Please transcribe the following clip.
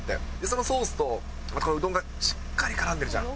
そのソースと、このうどんがしっかりからんでるじゃん。